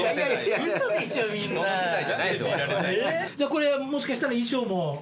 これもしかしたら衣装も。